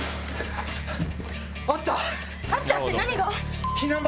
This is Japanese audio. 「あった」って何が？